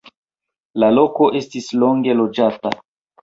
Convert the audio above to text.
La loko estis longe loĝata.